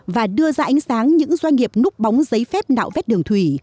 và đưa ra ánh sáng những doanh nghiệp núp bóng giấy phép nạo vét đường thủy